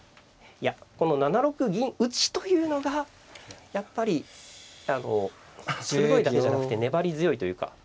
いやこの７六銀打というのがやっぱり鋭いだけじゃなくて粘り強いというか。